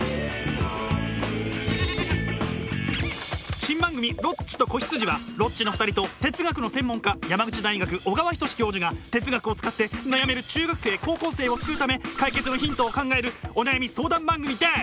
新番組「ロッチと子羊」はロッチの２人と哲学の専門家山口大学小川仁志教授が哲学を使って悩める中学生高校生を救うため解決のヒントを考えるお悩み相談番組です！